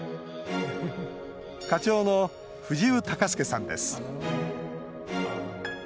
課長の藤生孝典さんです。